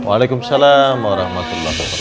waalaikumsalam warahmatullahi wabarakatuh